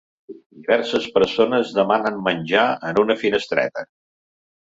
Diverses persones demanen menjar en una finestreta.